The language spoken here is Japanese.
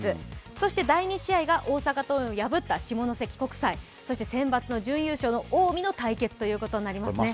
そして第２試合が大阪桐蔭を破った下関国際、そしてセンバツ準優勝の近江の対決ということになりますね。